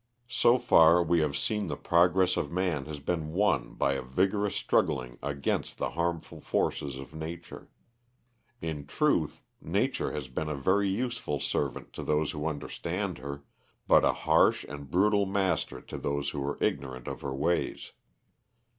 So far we have seen the progress of man has been won by a vigorous struggling against the harmful forces of nature. In truth, nature has been a very useful servant to those who understand her, but a harsh and brutal master to those who were ignorant of her ways.